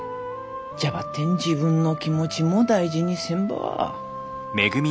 じゃばってん自分の気持ちも大事にせんば。